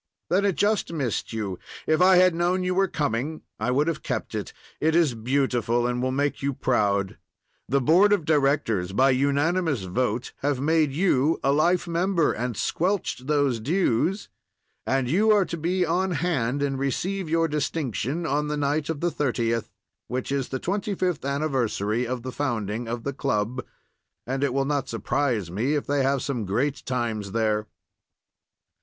"Then it just missed you. If I had known you were coming I would have kept it. It is beautiful, and will make you proud. The Board of Directors, by unanimous vote, have made you a life member, and squelched those dues; and, you are to be on hand and receive your distinction on the night of the 30th, which is the twenty fifth anniversary of the founding of the club, and it will not surprise me if they have some great times there."